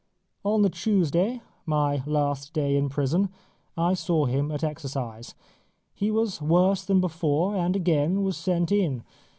On the Tuesday my last day in prison I saw him at exercise. He was worse than before, and again was sent in.